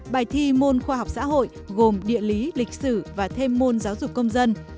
bài thi môn khoa học xã hội gồm địa lý lịch sử và thêm môn giáo dục công dân